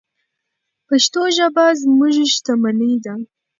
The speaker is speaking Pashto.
پښتو ژبه زموږ شتمني ده.